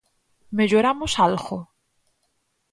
Melloramos algo?